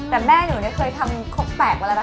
แต่แม่หนูเนี่ยเคยทำคกแตกมาแล้วนะ